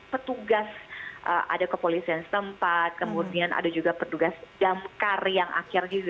petugas cyberpolisian tempat kemudian ada juga petugas jangkarim